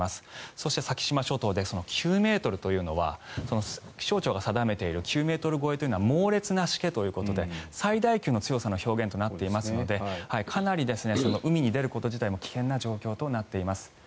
そして先島諸島ですが９ｍというのは気象庁が定めている９ｍ超えというのは猛烈なしけということで最大級の強さの表現となっていますのでかなり海に出ること自体も危険な状況となっています。